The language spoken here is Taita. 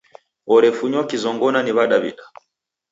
Orefunywa kizongona ni W'adaw'ida.